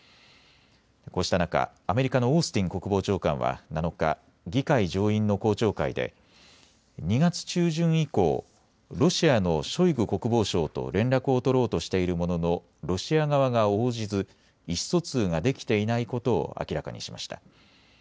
こうした中、アメリカのオースティン国防長官は７日、議会上院の公聴会で２月中旬以降、ロシアのショイグ国防相と連絡を取ろうとしているもののロシア側が応じず意思疎通ができていないことを明らかにしました。